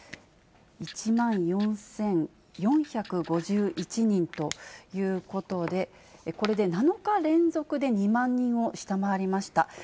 １万４４５１人ということで、これで７日連続で２万人を下回りました。